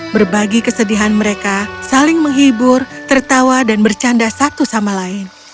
berbagi kesedihan mereka saling menghibur tertawa dan bercanda satu sama lain